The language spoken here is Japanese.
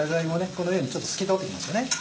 このようにちょっと透き通ってきましたね。